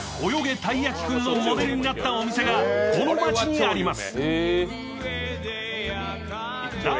たいやきくん」のモデルになったお店がこの街にあります。